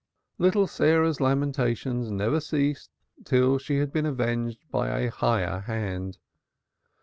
Little Sarah's lamentations never ceased till she had been avenged by a higher hand.